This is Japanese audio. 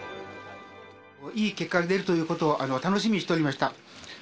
いい結果が出るということを楽しみにしておりました。